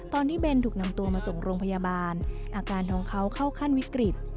เบนถูกนำตัวมาส่งโรงพยาบาลอาการของเขาเข้าขั้นวิกฤต